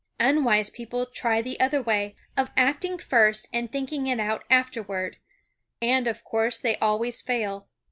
Unwise people try the other way, of acting first and thinking it out afterward, and, of course, they always fail.